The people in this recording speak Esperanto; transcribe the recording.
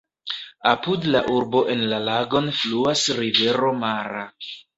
Apud la urbo en la lagon fluas rivero Mara.